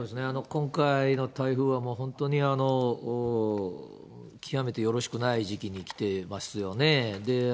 今回の台風は、本当に極めてよろしくない時期に来てますよね。